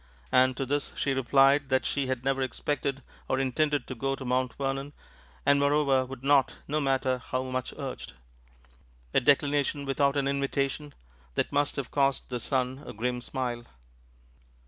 And to this she replied that she had never expected or intended to go to Mount Vernon, and moreover would not, no matter how much urged a declination without an invitation that must have caused the son a grim smile.